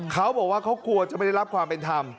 เขาบอกว่าเขากลัวจะไม่ได้รับความเป็นธรรม